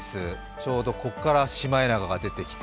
ちょうどここからシマエナガが出てきて